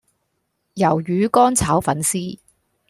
魷魚乾炒粉絲